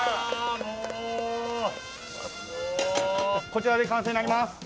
こちらで完成になります。